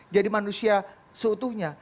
jadi manusia seutuhnya